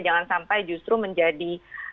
jangan sampai justru menjadi